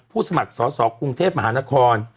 สมัครสอสอกรุงเทพมหานคร